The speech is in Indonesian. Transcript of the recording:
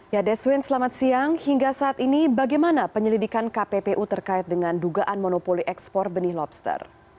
ya deswin selamat siang hingga saat ini bagaimana penyelidikan kppu terkait dengan dugaan monopoli ekspor benih lobster